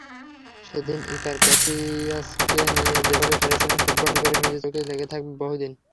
সেদিন ইকার ক্যাসিয়াসকে নিয়ে যেভাবে খেলেছিলেন, ফুটবলপ্রেমীদের চোখে লেগে থাকবে বহুদিন।